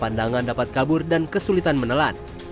pandangan dapat kabur dan kesulitan menelat